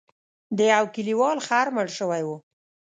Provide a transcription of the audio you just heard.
د یو کلیوال خر مړ شوی و.